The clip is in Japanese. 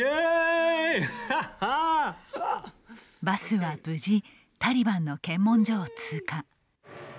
バスは無事タリバンの検問所を通過。